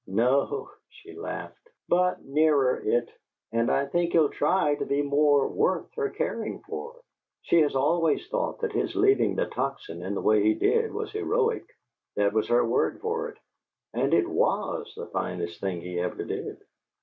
"No," she laughed; "but nearer it! And I think he'll try to be more worth her caring for. She has always thought that his leaving the Tocsin in the way he did was heroic. That was her word for it. And it WAS the finest thing he ever did."